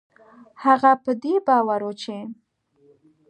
هغه په دې باور و چې